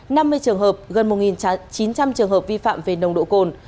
năm mươi trường hợp gần một chín trăm linh trường hợp vi phạm về nồng độ cồn